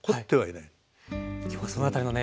今日はその辺りのね